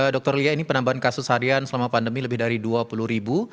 dr lia ini penambahan kasus harian selama pandemi lebih dari dua puluh ribu